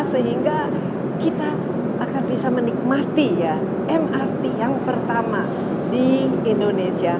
sehingga kita akan bisa menikmati mrt yang pertama di indonesia